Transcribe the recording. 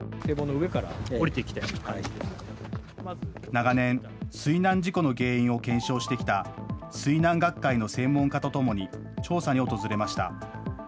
長年、水難事故の原因を検証してきた水難学会の専門家とともに調査に訪れました。